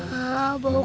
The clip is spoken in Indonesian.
hah bau kentang